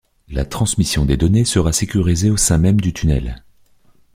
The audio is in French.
La transmission des données sera sécurisée au sein même du tunnel.